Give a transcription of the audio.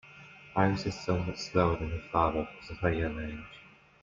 Iris is somewhat slower than her father because of her young age.